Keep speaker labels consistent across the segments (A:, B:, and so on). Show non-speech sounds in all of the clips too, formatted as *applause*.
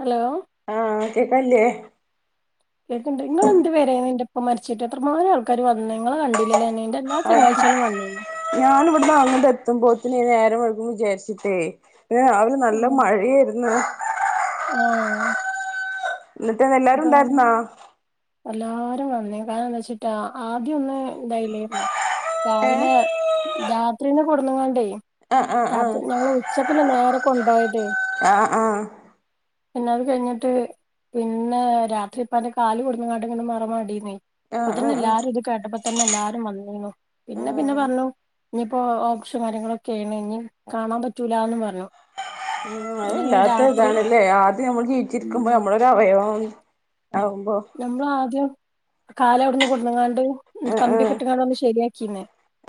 A: Hello
B: ആഹ കേക്കല്ലേ
A: കേക്കണ്ട് നിങ്ങ എന്ത് വരന്റെ ഇപ്പ മരിച്ചിട്ട് എത്രമാം ആൾക്കാർ വന്ന നിങ്ങ വണ്ടീല്ല
B: അത ഞാൻിവിടന്ന് അങ്ങോട്ട എത്തുമ്പോ അ നേരം മുഴക്കുമ്പ വിചാരിച്ചിട്ടേ ഏ അവല് നല്ല മഴയായിന്ന്
A: ആഹ്
B: ഇന്നത്തെ എല്ലാരും
A: ഇപ്പ
B: ഇണ്ടായിരുന്നാ
A: എല്ലാരും വന്നി കാരണം എന്താ വെച്ചിട്ടാ ആദ്യം ഒന്ന ഇന്തായില്ലായിുന്നോ
B: ഏഹ്
A: രാവിലെ രാത്രിീന്ന് കൊടന്നങ്ങണ്ടേ
B: ആഹ്
A: അത്
B: ആഹ്
A: ഞങ്ങള്ൾ ഉച്ചക്കല്ല നേരെ കൊണ്ടു പോോയത്
B: ആഹ് ആഹ്
A: പിന്നെത് കഴിഞ്ഞിട്ട് പിന്നെ രാത്രി ഇപ്പ അന്റെ കാല് കൊടന്ന്ങ്ങാട്ടിങ്ങനെ മറംടിന്ന
B: ആഹ്
A: അപ്പ
B: ആഹ്
A: തന്നെ
B: ആഹ്
A: എല്ലാരും ഇത് കേട്ടപ്പ തന്നെ എല്ലാരും വന്നീു പിന്നെ
B: ആഹ്
A: പിന്നെ
B: ആഹ്
A: പറഞ്ഞു ഇനിയിപ്പോ ഓപസും കാര്യങ്ങളൊക്കെയ ആാണ് ഇനി കാണാൻ പറ്റൂലന്ന് പറഞ്ഞു പിന്നെ അങ്ങനെ
B: അതല്ലാത്ത
A: രാത്രി
B: ഇതാണല്ലേ ആദ്യം നമ്മൾ
A: ഉം
B: ജീവിച്ചിരിക്കുമ്പോൾ നമ്മളൊ ഒരു അവയവം ആവുമ്പോ
A: നമ്മള ആദ്യം കാല ഇവിടന്ന് കൊടുങ്ങാണ്ട്
B: ആഹ്
A: കമ്പിയ
B: ആഹ്
A: കിട്ടങ്ങാണ്ട് ഒന്ന് ശരിയ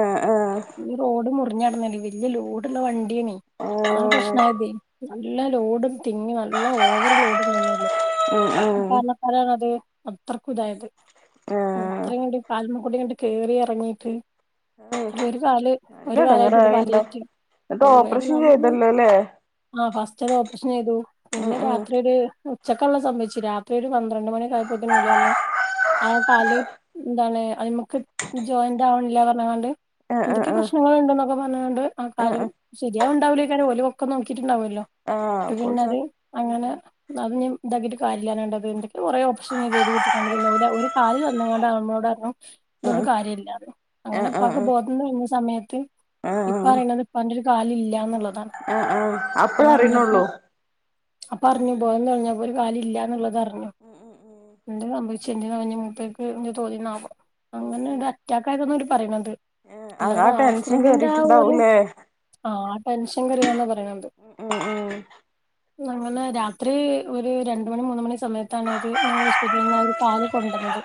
B: ആഹ്
A: ഈ റോഡ് മുറിഞ്ഞടന്നല്ലേ വല്യ ലോഡള്ള വണ്ടിയണ
B: ആഹ്
A: അങ്ങന
B: ആഹ്
A: പ്രശ്നയത് നല്ല ലോഡും തിങ്ങ് നല്ല ഓവർ ലോഡും തന്നെയല്ല
B: ഉം ഉം
A: അ അത്രക്കതായത് മ്
B: ആഹ്
A: ഇത്രയും കണ്ട് *unintelligible* കേറി എറങ്ങീട്ട് അല്ല ഒരു കാല്
B: നല്ല
A: ഒരു കാലയിട്ടുള്ള
B: എടങ്ങേറായിണ്ടാവും
A: *unintelligible*
B: എന്നിട്ട്
A: ഓ വേദന
B: ഓപ്പറേഷൻ
A: *unintelligible*
B: ചെയ്തല്ലോല്ലേ
A: ആ ഫസ്റ്റ് അത് ഓപ്പറേഷൻ ചെയ്തു,
B: ഉം
A: പിന്നെ
B: ഉം
A: രാത്രി ഒര് മ് ഉച്ചക്കെള്ള സംഭവിച്ചു രാത്രി ഒരു പന്ത്രണ്ട് മണിയൊക്കെ ആയപ്പോത്തെനു *unintelligible* ആ കാല് എന്താണ് അത് മ്മക്ക് ജോയിന്റ് ആവണില്ല പറഞ്ഞണ്ട്.
B: ആഹ്
A: എന്തൊക്കെ
B: ആഹ് ആഹ്
A: പ്രശ്നങ്ങൾ ഇണ്ടന്നൊക്കെ പറഞ്ഞത് കൊണ്ട് ആ കാലം
B: ആഹ്
A: ശരിയാവണ്ടാവില്ലോക്ക ഓലും പൊക്കം നോക്കിട്ടുണ്ടാവുല്ലോ.
B: ആഹ്
A: പിന്നെ
B: കൊഴസ
A: അത് അങ്ങനെ അത് ഇനിം ഇതാക്കിട്ട് കാര്യല്ലാണ്ടത് എന്തൊക്കെയോ കൊറേ ഒ *unintelligible* ചെയ്ത് കൂട്ടിക്കണ്ട് പിന്നെ ഒര ഒരു കാലി തന്ന കൊണ്ട നമ്മളോട് പറഞ്ഞു ഇതുകൊണ്ട്
B: ആഹ്
A: കാര്യല്ലായിരുന്നു അങ്ങനെ
B: ആഹ്
A: ഉപ്പാക്ക്
B: ആഹ്
A: ബോധം വരുന്ന സമയത്ത് ഇപ്പ
B: ആഹ്
A: അറിയണത് ഇപ്പന്റെ ഒരു കാല ഇല്ലാന്നുള്ളതാണ്.
B: ആഹ് ആഹ് അപ്പഴ അറിയണുള്ളൂ.
A: അപ്പ അറിഞ്ഞു ബോധം തെളിഞ്ഞപ്പോ ഒരു കാല് ഇല്ലാന്നുള്ളത് അറിഞ്ഞു. *unintelligible* സംഭവിച്ച് *unintelligible* ഇനി മൂപ്പര്ക്ക് *unintelligible* തോന്നി *unintelligible* അങ്ങനെ ഒരു അറ്റാക്ക് *unintelligible* അവര് പറയണത്,
B: ആ
A: അല്ലാതെ
B: ടെൻഷൻ
A: ആക്സിഡന്റിന്റെ ആ ഒരു
B: കേറിട്ടുണ്ടാവൂലേ
A: ആഹ് ആ ടെൻഷൻ *unintelligible* പറയണത്.
B: ആഹ്
A: ഞങ്ങള് രാത്രി ഒരു ഒര് രണ്ട് മണി മൂന്ന് മണി സമയത്താണ് അ ത് ഞങ്ങൾ ഹോസ്പിറ്റലിൽ നിന്ന് ആ ഒരു കാല് കൊണ്ടുന്നത്.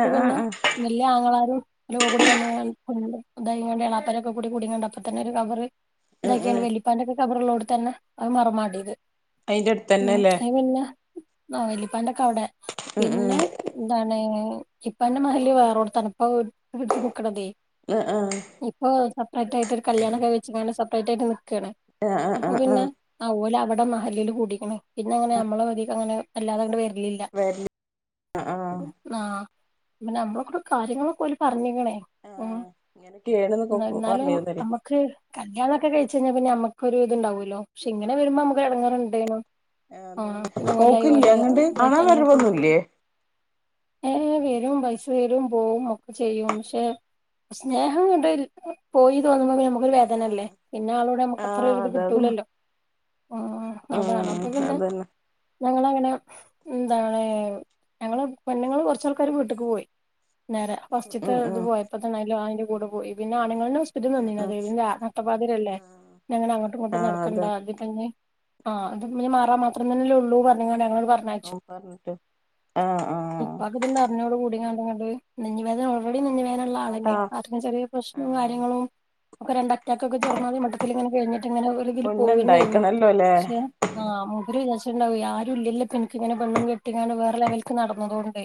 A: ട്ട്
B: ആഹ്
A: പിന്നെ
B: ആഹ്
A: വല്ല്യ ആങ്ങളാരും *unintelligible* കൂടി വന്ന് ഇങ്ങനെ *unintelligible* കൂടി കുടി ണ്ട് അപ്പ തന്നെ ഒരു കബറ്
B: ഉം ഉം
A: ഇതാക്കിയാണ്ട് വല്ലിപ്പാന്റെ ഓക്കെ കബറുള്ളോട്ത്ത് തന്നെ അത് മറമാടി ഇത്.
B: അയിന്റെ
A: മ്
B: അടുത്തന്നെല്ലേ
A: അയ് പിന്നെ ആ വലിപ്പാന്റെക്കെ അവിടെ,
B: ഉം ഉം
A: പിന്നെ എന്താണ് *unintelligible* ഇപ്പാന്റെ മഹല്ല് വേറോട്ത്താണ്. പ്പ ഇട്ത്ത് നിക്ക്ണതേ
B: ആഹ്
A: ഇപ്പൊ റേറ്റ് ആയ്ട്ട് ഒരു കല്യാണൊക്കെ വെച്ച് ക്കാണ്ട് സെപ്പറേറ്റ് ആയ്ട്ട് നിക്കാണ്.
B: ആഹ് ആഹ് ആഹ്
A: അപ്പൊ
B: ആഹ്
A: പിന്നെ
B: ആഹ്
A: ഓല് അവടെ മഹല്ല്ല് കൂടിക്ക് ണ്. പിന്നെ അങ്ങനെ
B: ആഹ്
A: നമ്മളെ പെരീക്ക് അങ്ങനെ വല്ലാതാണ്ട് വ ര്ലില്ല.
B: വരല് ആഹ് ആഹ്
A: ആഹ്. പിന്ന നമ്മള കൂടെ കാര്യങ്ങളൊക്കെ ഓല് പർഞ്ഞ്ക്ക്ണ്. ഉം
B: ആഹ് ഇങ്ങനൊക്കെയാണ്ന്നൊക്കെ
A: ന്നാലും
B: പറഞ്ഞിരുന്നല്ലേ
A: നമ്മക്ക് കല്യാണം ക്കെ കഴിച്ചഴിഞ്ഞാ പിന്നെ നമ്മ ക്കൊരു ഇതുണ്ടാവൊല്ലോ. പശേ ഇങ്ങനെ വരുമ്പോ നമുക്കെരു എടങ്ങേറുണ്ടയ്നും.
B: ആ പിന്നെ പോക്ക്ല്ലേ അങ്ങട്ട്
A: ഇതായിട്ട്
B: കാണാൻ
A: അങ്ങനെ കയ്യും
B: വരവൊന്നുല്ലേ?
A: ഏഹ് വരും പൈസ തരും പോവും ഒക്കെ ചെയ്യും ശേ സ്നേഹം ങ്ങട്ട് പോയി തോന്നുമ്പോ പിന്നെ അമ്മക്കൊരു
B: ആഹ്
A: വേദനല്ലേ. പിന്നാളോട് നമുക്കത്ര ഒരിത്
B: അതാണ്
A: കിട്ടൂലല്ലോ. ആഹ് അതാണ്
B: ഉം
A: അപ്പ പിന്നെ
B: അതന്നെ
A: ഞങ്ങളങ്ങ നെ എന്താണ് ഞങ്ങള് പെണ്ണുങ്ങള് കൊർച്ചാൾക്കാര് വീട്ട്ക്ക് പോയി. നേരെ ഫസ്റ്റ്ത്തെ
B: ഉം
A: ഇത്
B: ഉം
A: പോയപ്പ തന്നെ അയ്ലോ അയിന്റെ കൂടെ പോയി. പിന്നെ ആണുങ്ങളന്നെ ചുറ്റും
B: ആഹ്
A: നിന്നിനത്.
B: ആഹ്
A: പിന്നെ നട്ടപാതിരല്ലേ.
B: ആഹ്
A: ഞങ്ങളങ്ങോട്ടും ഇങ്ങോട്ടും
B: ആഹ്
A: നട്ക്കണ്ട.
B: അതാ
A: ത്പ്പഞ്ഞ് ആഹ് അത് മി മാറാൻ മാത്രന്നെല്ലേള്ളൂ പർഞ്ഞ്ങ്ങാണ്ട് ഞങ്ങള്ങ്ങട്ട് പർഞ്ഞയച്ചു.
B: ഓൻ പറഞ്ഞിട്ട് ആഹ് ആഹ്
A: ഇപ്പാക്ക് ത്ണ്ട് അർഞ്ഞോടുകൂ ടിങ്ങാണ്ടിങ്ങട്ട് നെഞ്ഞ്വേദന ഓൾറെഡി നെഞ്ഞ് വേനള്ള
B: ആഹ് ആഹ്
A: ആളന്നയാണ്. ആർട്ടിന് ചെറിയ പ്രശ്നോം
B: ആഹ്
A: കാര്യങ്ങളും ഒക്കെ രണ്ട് അറ്റാക്കൊക്കെ ചെറുമാതിരി മട്ടത്തിലിങ്ങനെ കഴിഞ്ഞിട്ട്ങ്ങനെ ഒര്തില് പോവന്നേന്നു.
B: മുന്നെണ്ടായിക്കണല്ലോല്ലേ
A: ഷെ ആ മുപ്പര് വിചാരിച്ച്ണ്ടാവൊ ആരും ഇല്ലല്ലോപ്പൻക്ക് ഇങ്ങനെ പെണ്ണും കെട്ടിങ്ങാണ്ട് വേറെ ലെവൽക്ക്
B: ആഹ്
A: നടന്നതോണ്ടേ.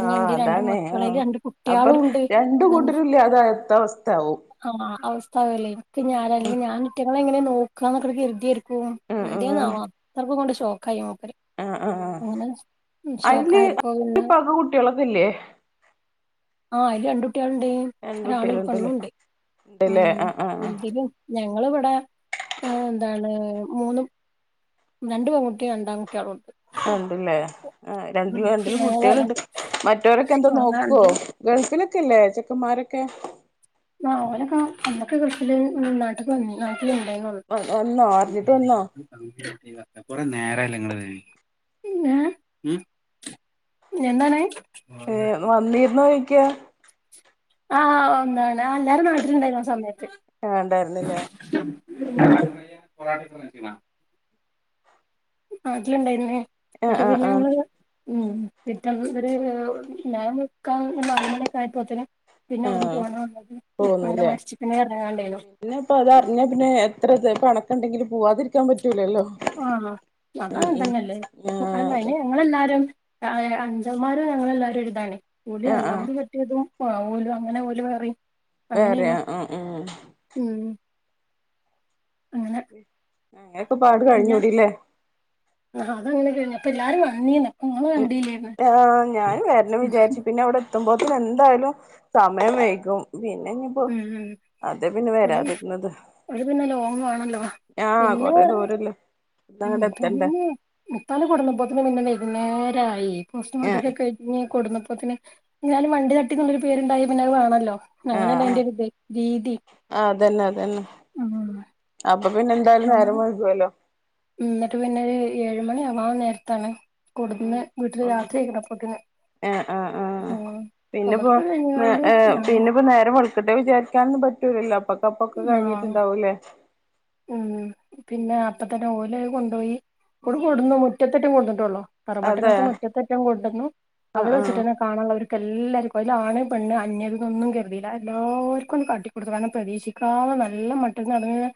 B: ആഹ്
A: രണ്ട്
B: അതാണ്
A: മക്കളേല്
B: ആഹ്
A: രണ്ട്
B: അപ്പൊ
A: കുട്ട്യാളുണ്ട്.
B: രണ്ട് കൂട്ടരും ഇല്ലാതായത്ത അവസ്ഥാവും
A: ആഹ് അവസ്ഥാവല്ലേ. ഇൻക്ക്ന് ആരാ അല്ലെങ്കി
B: ഉം
A: ഞാൻ ഈറ്റങ്ങളെങ്ങനെ നോ ക്കാന്നൊക്കെ കര്തിയാര്ക്കും.
B: ഉം ഉം ഉം
A: എന്തേന്നാവോ അത്രക്കും ങ്ങട്ട് ഷോക്കായി മൂപ്പര്.
B: ആഹ് ആഹ്
A: അങ്ങനെ
B: അയില്
A: ഷോക്കായപ്പോ പിന്നെ
B: ഇപ്പക കുട്ടികളൊക്കെ ഇല്ലേ
A: ആയി കുട്ട്യളിണ്ട്
B: രണ്ട്
A: ഒരാണു
B: കുട്ടികളുണ്ടല്ലേ
A: ഒരുപെണ്ണുണ്ട്
B: ഉണ്ടല്ലേ
A: ഉം
B: ആഹ് ആഹ്
A: *unintelligible* ഞ ങ്ങളിവടെ എന്താണ് മൂന്നും രണ്ട് പെൺകുട്ടിം രണ്ടാൺകുട്ട്യാളോണ്ട്.
B: ഒണ്ടല്ലേ ആ രണ്ട് രണ്ടിലും കുട്ട്യാളുണ്ട്. മറ്റവരൊക്കെ എന്താ നോക്കുവോ ഗൾഫിലൊക്കല്ലേ ചെക്കന്മാരൊക്കെ?
A: ആ അവരൊക്കെ നമ്മക്ക് കൃഷില് നാട്ട്ക്ക് വന്നേ നാ
B: വന്നോ അറിഞ്ഞിട്ട് വന്നോ
A: *inaudible* കുറേനേരയല്ല എന്താണ്?
B: ക്ക്യാ.
A: ആ ഒന്നാണ് ആ എല്ലാരും നാട്ടിലുണ്ടായിരുന്നു ആ സമേത്ത്.
B: വേണ്ടാരുന്നില്ലേ?
A: *inaudible* നാട്ടിലിണ്ടായിരുന്നേ
B: ആ
A: എന്നിട്ട്
B: ആ
A: പിന്നെങ്ങള്
B: ആ
A: ഉം പിറ്റന്ന് ഒരു ഞാൻ നിക്കാം നാല് മണിക്കെ ആയപ്പോത്തേന് പിന്നെ
B: ആ
A: അവിടന്ന് *unintelligible* ഉപ്പങ്ങനെ
B: പോന്നില്ലേ
A: മരിച്ച് പിന്നെ ഇറങ്ങാണ്ടായ്നു.
B: ത്ര ഇതായി പെണക്കണ്ടെങ്കിലും പൂവാതിരിക്കാൻ പറ്റ്
A: ആ അതങ്ങൻ
B: ഉം
A: തന്നെല്ലേ
B: ആ അതെ
A: ങ്ങളെല്ലാരും ആ അഞ്ചന്മാരും ഞങ്ങളെല്ലാരും ഒരിതാണേ *unintelligible*
B: ആ ആ
A: രണ്ടാമത് കെട്ടിയതും ആ ഓലു അങ്ങനെ ഓലു വേറെയും
B: വേറെ
A: അങ്ങനെണു
B: ആ ആ ഉം
A: ഉം അങ്ങനെ
B: അങ്ങനെയൊക്കെ പാട്
A: പിന്നെ
B: കഴിഞ്ഞൂടില്ലേ
A: ആ അതങ്ങനെ ചെയ്യണേ. അപ്പല്ലാരും വന്നീന് *unintelligible*
B: ആ ഞൻ വെരണം വിചാരിച്ചു പിന്നെ അവിടെത്തുമ്പോത്തനെന്തായാലും സമയം വെയ്കും. പിന്നെനിപ്പോ
A: ഉം ഉം
B: അതെ പിന്നെ
A: ഓല്
B: വരാതിരുന്നത്
A: അത് പിന്നെ ലോങ്ങ് ആണല്ലോ
B: ആ
A: പിന്നെ
B: കൊറേ ദൂരല്ലേ.
A: ഉം
B: ഇന്നങ്ങട്ട് എത്തണ്ടേ
A: പിന്നെ ഉപ്പാനെ കൊടുന്നപ്പത്തേനും പിന്നെ വൈകുന്നേരായി.
B: ആ ആ
A: പോസ്റ്റ്മോർട്ടൊക്ക കഴിഞ്ഞ് കൊടുന്നപ്പോന്നെ എന്നാലും വണ്ടി തട്ടിക്കൊരു പേരുണ്ടായി പിന്നെ അയ് വേണല്ലോ. അങ്ങനല്ലേ
B: ആഹ്
A: അയിന്റെ ഒരു ഇത് രീതി
B: ആഹ് അതന്നെ അതന്നെ
A: ആ
B: അപ്പൊ പിന്നെ എന്തായാലും നേരം വൈകുവല്ലോ.
A: ന്നട്ട് പിന്നെരു ഏഴു മണി ആവാൻ നേരത്താണ് കൊടുന്നെ വീട്ടില് യാത്ര ചെയണക്കപ്പത്തിന്.
B: ആ ആ ആ ആ പിന്നെപ്പോ നേ
A: കഴിഞ്ഞ്ങ്ങാണ്ട്
B: ഏ
A: ഞങ്ങ
B: പിന്നെപ്പോ നേരം വെളുക്കട്ടെ വിചാരിക്കാനൊന്നും പറ്റ് റ്റുലല്ലോ അപ്പക്കപ്പൊക്കെ
A: ആഹ്
B: കഴിഞ്ഞിട്ടുണ്ടാവൂലേ.
A: ഉം പിന്നെ അപ്പത്തറ്റം ഓലെ കൊണ്ടുപോയി കടെ
B: ഉം ഉം
A: കൂടുന്നു മുറ്റത്തറ്റം കൂടുന്നിട്ടള്ളോ
B: അതെ
A: പററവട്ടനത്ത് മുറ്റത്തറ്റം കൊണ്ടുന്നു
B: ആഹ്
A: അവിടെ
B: ആഹ്
A: വെച്ചിട്ട് തന്നെ കാണാനുള്ളർ എല്ലാർക്കും അതില ആാണ് പെണ് അന്യതിന്നൊന്നും കരുതിയില്ല എല്ലാവർക്കും ഒും കാട്ടിക്കൊടുത്ത കണം പ്രതീക്ഷിക്കാ നല്ല മട്ടന്ന് നടന്ന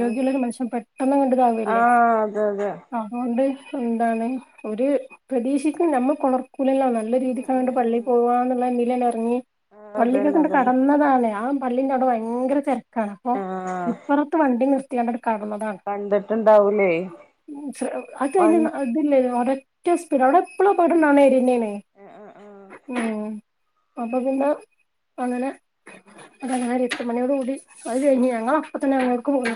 B: ആഹ്
A: മനുഷ്യൻ പെട്ടെന്ന് കണ്ടതാവല്ലേ
B: ആഹ് അതെ അതെ
A: അതുകൊണ്ട് എന്താണ് ഒരു പ്രദേീശിക്കും നമ്മൾ പുണർ സ്കൂലല്ല നല്ല
B: ഉം ഉം
A: രീതിക്ക്ണ്ട്
B: ഉം
A: പള്ളിയി പോവാുകന്നുള്ള എന്തില തന്ന ഇറങ്ങി
B: ആഹ്
A: പള്ളികെ
B: അതന്നെ
A: കൊണ്ട്
B: അതന്നെ
A: കടന്നതാണ് ആ പള്ളിയ ക ഭയങ്കര തിരക്കാണ് അപ്പൊ
B: ആഹ്
A: ഇപ്പറ നിർത്തിയ ണതാണ്
B: കണ്ടിട്ടുണ്ടാവൂലേ
A: അത്
B: വൺ
A: അതില്ലേ റ്റ സ്പീഡ അവിടെ എപ്പഴോ പോയിട്ടും നന്നായിരിുന്നേന
B: ആഹ് ആഹ്
A: ഉ അപ്പൊ പിന്ന അങ്ങനെ അതര എത്ര മണിയോട് കൂടി അത് കഴിഞ്ഞഞ്ങ്ങ അപ്പൊ തന്നെ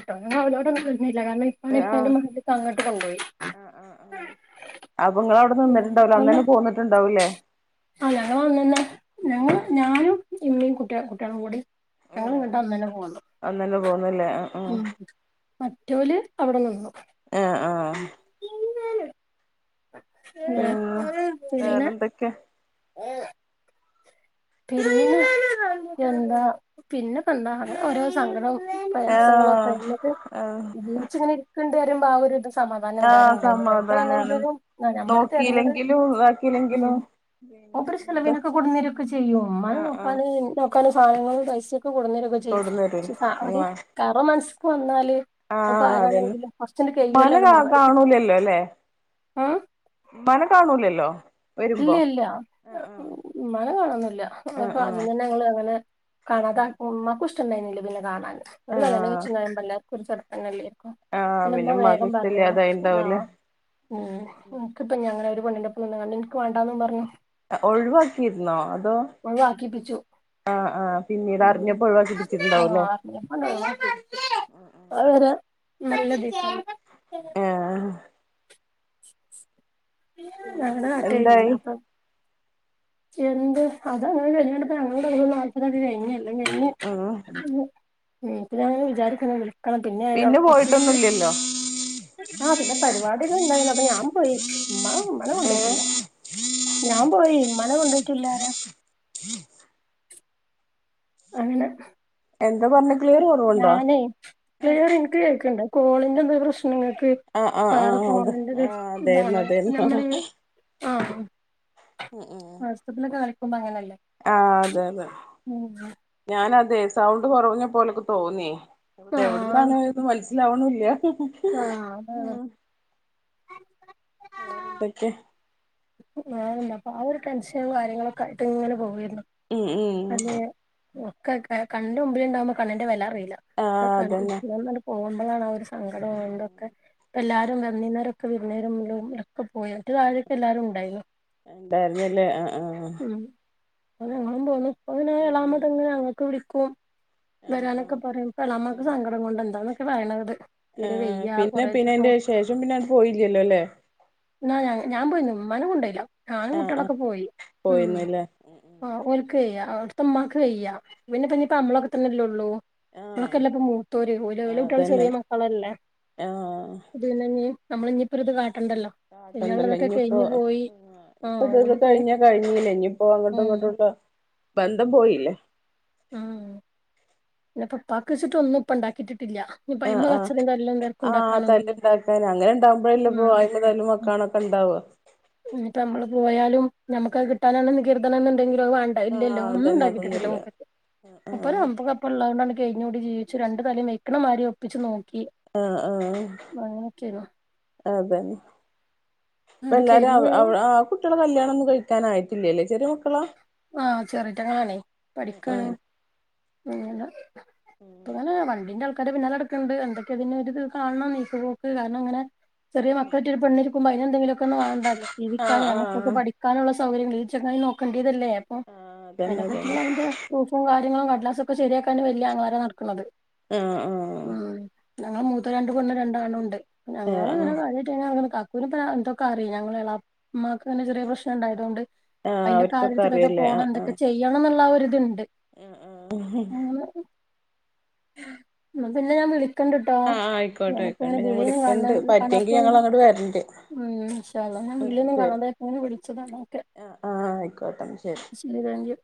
A: കേട്ടോ ഞ അവരോടൊന്നും കഞ്ഞില്ല കാരണം ഇപ്പ
B: ആഹ്
A: ഇപ്പ എന്റെ
B: ആഹ്
A: മേക്ക് അങ്ങോട്ട് കൊണ്ടുപോയി
B: അപ്പങ്ങള അവിടെ നിന്നിട്ടുണ്ടാവലോ അന്നേന്നെ പോന്നിട്ടുണ്ടാവൂലേ
A: ആ ഞങ്ങള് വന്നന്ന
B: ഉം
A: ഞങ്ങ
B: ഉം
A: ഞാനും ഇമ്മയും കുട്ട കുട്ടികള കൂടി ഞങ്ങൾ
B: ഏഹ്
A: കട്ടാ അന്ന തന്നെ പോന്നു
B: അങ്ങനെ പോന്നല്ലേ ആ ആ ഉഹ
A: മറ്റവല് അവിടെ നിന്നു
B: ആ ആ പിന്നെ വേറെന്തൊക്കെയെ
A: ഏഹ് പിന്നെ എന്താ പിന്നെ ഇപ്പൊ എന്താ ഓരോ സങ്കടവും. പ്രയാസങ്ങളൊക്കെ
B: ആഹ്
A: കഴിഞ്ഞിട്ട് ജീനിച്ച ഇങ്ങനെ ഇരിക്കോണ്ടേ വരുമ്പോ ആ ഒരു സ സമാധാനം എന്തായാലും
B: ആഹ്
A: ഉണ്ടായിട്ടില്ല,
B: സമാധാനാണ്
A: എവിടെയാണെങ്കിലും നമ്മുക്ക് തരഞ്ഞത്.
B: നോക്കിയില്ലെങ്കിലും ഇതാക്കിയില്ലെങ്കിലും പിന്നെ
A: മൂപ്പര്
B: എന്ത്
A: ചെലവിനൊക്കെ കൊണ്ടുവന്നു തരുവോ ഒക്കെ ചെയ്യും ഉമ്മാനെ
B: ആഹ് ആഹ്
A: നോക്കാന് നോക്കാന് സാധനങ്ങളും പൈസയൊക്കെ. ഒക്കെ കൊണ്ടുവന്നു തരുയൊക്കെ ചെയ്യും
B: തൊടുന്നരും
A: പക്ഷെ അവര്
B: ആ
A: കറ മനസ്. എന്നല് അപ്പൊ
B: ആഹ് അതന്നെ
A: ആരാണെങ്കിലും ഫസ്റ്റ്
B: ഉമ്മാനെ
A: കൈയെല്ലാം.
B: കാ
A: *unintelligible*
B: കാണൂലല്ലോ അല്ലേ
A: ആഹ്
B: ഉമ്മാനെ കാണൂലല്ലോ.
A: ഇല്ല
B: വരുമ്പോ
A: ഇല്ല
B: ആഹ് ആഹ്
A: ഉമ്മാനെ കാണുന്നില്ല. ഇല്ല ഉമ്മ
B: ആഹ്
A: കാണുന്ന ഞങ്ങള് അങ്ങനെ കാണാതക്കും ഉമ്മക്കും ഇഷ്ടണ്ടായിരുന്നില്ല. ഇതിന് കാണാൻ ഒരു
B: ആഹ്
A: കല്യാണം
B: ആഹ്
A: കഴിച്ചു ഞാൻ വെല്യ *unintelligible* അല്ലെ.
B: ആഹ്
A: പിന്നെ ഉമ്മ
B: ഉമ്മാക്ക്
A: വേഗം പറഞ്ഞുതന്നു എന്നാ
B: ഇഷ്ടല്ലാതായിണ്ടാവൂലേ
A: ഉം നിനക്കിട്ട് ഞങ്ങൾ ഒരു. *unintelligible* പെണ്ണിനെ പിന്നെ നിനക്ക് വേണ്ടന്ന് പറഞ്ഞു.
B: ഒഴിവാക്കിയിരുന്നോ അതോ
A: ഒഴിവാക്കിപ്പിച്ചു
B: ആഹ് ആഹ് പിന്നീട്
A: ഉം
B: അറിഞ്ഞപ്പോ ഒഴിവാക്കിപ്പിച്ചിട്ടുണ്ടാവൂല്ലേ
A: വളരെ നല്ല *unintelligible*
B: ഏഹ്
A: ഞങ്ങടെ നാടിൽ
B: എന്തായി
A: വല്ലപ്പോ എന്ത് അത് അങ്ങനെ കഴിഞ്ഞോണ്ട് ഇപ്പോ ഞങ്ങളോട് *unintelligible*
B: ആഹ്
A: കഴിഞ്ഞു. മ്മ് പിന്നെ അങ്ങനെ വിചാരിക്കുന്ന വില. കാരണം പിന്നെ ആയാലോ കൊറച്ച് ദിവസം. ആ പിന്നെ പരിപാടികൾ ഉണ്ടായിരുന്നു അപ്പൊ ഞാൻ പോയി ഉമ്മ ഉമ്മന കൊണ്ടട്ടില്ല. ഞാൻ പോയി ഉമ്മനെ കൊണ്ടോയിട്ടുമില്ല ആരാ. അങ്ങനെ
B: എന്താ പറഞ്ഞേ
A: ഞാനേ ക്ലിയർ എനിക്ക് കേക്കുണ്ട് കോളിന്റെ എന്തൊരു പ്രശ്നം. നിങ്ങക്ക്
B: ആഹ് ആഹ്
A: പാറു
B: ആഹ് അതെ
A: പോന്നേന്റെ
B: ആഹ്
A: വിഷമം
B: അതായിരുന്നു
A: നമ്മള്
B: അതായിരുന്നു
A: നമ്മള് ആഹ്.
B: ഉം ഉം
A: പത്തിലൊക്കെ ആയിരിക്കുമ്പോ അങ്ങനെയല്ലേ.
B: ആ അതെ അതെ ഞാന് അതെ സൗണ്ട് കുറവിന് പോലൊക്കെ തോന്നിയാ. അവിടെ
A: ആഹ്
B: എവിടുന്നാണ് എന്ന് മനസിലാവണില്ല.
A: ആഹ് ഉം
B: വേറെ എന്തൊക്കെ
A: ഞാനല്ലപ്പാ ആ ഒരു ടെൻഷനും കാര്യങ്ങളൊക്കെ ആയിട്ട് ഇങ്ങനെ പോവല്ലേ.
B: ഉം ഉം
A: ഒക്കെ ക കണ്ണിന്റെ മുമ്പിൽ ഉണ്ടാവുമ്പോ കണ്ണിന്റെ വില അറി ഒക്കെ
B: ആഹ്
A: കണ്ണിന്റെ
B: അതന്നെ
A: മുന്നീന്ന് അങ്ങ് പോകുമ്പോളാണ് ആ ഒരു സങ്കടമുണ്ട് ഒക്കെ. ഇപ്പ എല്ലാരും വന്നേരം ഒക്കെ വരുന്നേര മുന്നേ ഒക്കെ പോയിട്ട് ആദ്യയൊക്കെ എല്ലാരും ഉണ്ടായിരുന്നു.
B: ഉണ്ടായിരുന്നില്ലേ ആഹ് ആഹ്.
A: അതാ ഞങ്ങളും പോന്ന് അവൻ
B: ഉം
A: *unintelligible*
B: ഉം
A: അങ്ങനെ ഞങ്ങൾക്ക് വിളിക്കും.
B: ആഹ്
A: വരാനൊക്കെ പറയും എളമ്മക്ക്
B: ആഹ്
A: സങ്കടം കൊണ്ട് എന്താന്നൊക്കെ പറയണത്. തീരെ
B: ആഹ്
A: വെയ്യ
B: പിന്നെ പിന്നെ
A: കൊറേസം
B: എന്റെ ശേഷം പിന്നെ പോയില്ലല്ലോ.
A: എന്നാ ഞാ ഞാൻ പോയിന്ന് ഉമ്മനെ കൊണ്ടയില്ല ഞാനും
B: ആഹ് ആഹ്
A: കുട്ടികളൊക്കെ പോയി ഉം.
B: പോയിന്നില്ലേ ഉം
A: ക്യ അവുടെത്തെ ഉമ്മാക്ക് വയ്യാ പിന്നെ *unintelligible* നമ്മളെയൊക്കെ തന്നെല്ലേ ഉള്ളൂ.
B: ഉം
A: നമ്മളൊക്കെല്ല ഇപ്പ മൂത്തോര് ഓലോല്
B: ആഹ്
A: കുട്ടികൾ
B: അതന്നെ
A: ചെറിയ മക്കളല്ലേ.
B: ആഹ്
A: ഇത് തന്നെയല്ലേ നമ്മള് ഇനിയിപ്പോ ഇത് *unintelligible* ചെയ്യാനുള്ളത്.
B: ഇനിയിപ്പോ ഇപ്പൊ ഇത് കഴിഞ്ഞാ കഴിഞ്ഞല്ല ഇനിയിപ്പോ അങ്ങോട്ടും
A: ഉം
B: ഇങ്ങോട്ടുള്ള. ബന്ധം പോയില്ലേ
A: ഉം ഇപ്പൊപ്പകിച്ചിട്ട് ഒന്നുംപ്പണ്ടാക്കിട്ടി
B: ആഹ് ആഹ് ആഹ്
A: ഉണ്ടാക്കാനൊന്നും
B: തല്ലല്ണ്ടാക്കാൻ അങ്ങനെ ഇണ്ടാവ്മ്പോഴല്ലെപ്പോയിന് തല്ലുംമക്ക *unintelligible* ക്കണ്ടവ
A: ഉം പ്പ നമ്മള് പോയാലും ഞമ്മക്ക്ത് കിട്ടാനാണ് നികീർത്തന *unintelligible* എന്തെങ്കിലത്വണ്ടെ
B: ആഹ്
A: ഇല്ലല്ലോ
B: അതന്നെ
A: ഒന്നുണ്ടാക്കട്ടിട്ടില്ല
B: അതൊന്നുല്ല ആഹ്
A: മുപ്പ *unintelligible* കയിഞ്ഞുടി ജീവിച് രണ്ട് തലേം മേക്ണ മാരി ഒപ്പിച്ചു നോ
B: ആഹ് ആഹ് അഹ് അതന്നെ ഇപ്പ
A: എന്നിട്ട്
B: എല്ലാരും
A: കഴിഞ്ഞ്
B: അവ് അവ് ആ കുട്ടികളെ കല്യാണം ഒന്നും കഴിക്കൻ ആായിറ്റില്ലല്ലേ ചെറിയമക്കളാ
A: ആഹ് ചെറീറ്റകളാണേ പഠിക്കാണ്
B: ആഹ്
A: ങ്ങന
B: ഉം
A: അങ്ങന വൺണ്ടിന്റൾ ക്കന്റെ പിന്നാല നടക്കണ്ട് എന്തൊക്കെ അതിനോരിത് കാണം നീക്ക്പോക് കാർണം അങ്ങനെ ചെറിയ മക്കള ഒരു പെണ്ണിരി എന്തെങ്കിലുവൊക്ക ഒന്ന്വേണ്ടല്ലോ
B: ആഹ്
A: ജീവിക്കാനെ നമ്മക്കക്കെ
B: ആഹ്
A: പഠിക്കാന്ള്ള സൗകര്യങ്ങളി ചെങ്ങയി നോക്കണ്ണ്ട്യതല്ലേ പ്പോം
B: ആഹ് അതന്നെ അതന്നെ
A: അയിനെപ്പറ്റിള്ളെന്റെ പ്രൂഫ്യൂം കാര്യങ്ങളും കട്ലാസ്ക്കെ ശരിയാക്കാണ് വല്യ അങ്ങ്ളാരോം നട്ക്കണത്
B: ആഹ് ആഹ്
A: ഉം ഞങ്ങൾ മൂത്ത രണ്ട് പൊണ് രണ്ടാണുണ്ട്
B: ആഹ് ആഹ്
A: ഞങ്ങള്ൾങ്ങനെ *unintelligible* *unintelligible* എന്തൊക്കറി ഞങ്ങളെ ളേമ്മാക്ക്ന്നെ ചെറിയ പ്രശ്നംണ്ടായതൊണ്ട്
B: ആഹ് അവര്ക്കൊക്കെ അറിയ
A: പോണം എന്തൊക്കെ ചെയ്യണംന്ന്ള്ള ആ ഒരിത്ണ്ട്
B: ആഹ് ആഹ്
A: ന്നാ പിന്നെ ഞാൻ വിളി ക്കിണ്ട്ട്ടോ
B: ആഹ് ആയിക്കോട്ടെ ആയിക്കോട്ടെ ഞാൻ വിളിക്കണ്ട്
A: *unintelligible* കാണാ
B: പറ്റെങ്കി ഞങ്ങള്
A: *unintelligible*
B: അങ്ങട് വരണ്ട്
A: ഉം ഷാ
B: ഉം ശരി
A: *unintelligible*
B: ആഹ് ആഹ് ആയിക്കോട്ടെ
A: ശരി താങ്കു